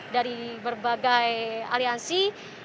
dari berbagai aliansi